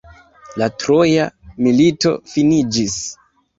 La Troja milito finiĝis.